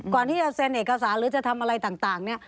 ก่อนที่จะเซ็นเอกสารหรือจะทำอะไรต่างเนี่ย